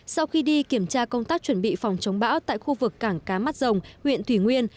sau khi đi kiểm tra công tác chuẩn bị phòng chống bão tại khu vực cảng cá mắt rồng huyện thủy nguyên